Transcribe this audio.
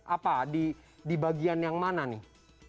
apa di bagian yang mana nih